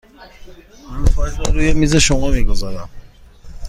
من فایل را روی میز شما می گذارم.